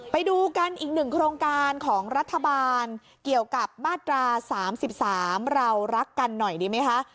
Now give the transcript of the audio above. ไปดูกันอีกหนึ่งโครงการของรัฐบาลเกี่ยวกับมาตรา๓๓เรารักกันหน่อยดีไหมคะ